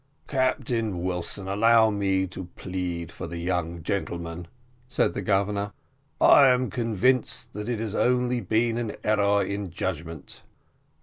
"Captain Wilson, allow me to plead for the young gentleman," said the Governor; "I am convinced that it has only been an error in judgment."